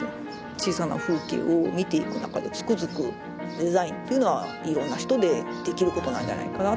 小さな風景を見ていく中でつくづくデザインっていうのはいろんな人でできることなんじゃないかなというふうに思ったりとかしました。